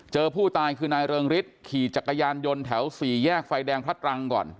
เจอผู้ตายคือนายเริงฤทธิ์ขี่จักรยานยนต์แถวสี่แยกไฟแดงพระตรังก่อน